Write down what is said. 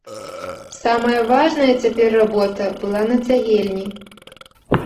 Самая важная цяпер работа была на цагельні.